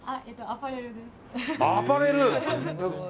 アパレル。